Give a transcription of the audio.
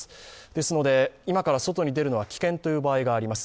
ですので今から外に出るのは危険という場合があります。